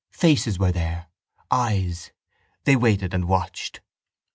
Faces were there; eyes: they waited and watched.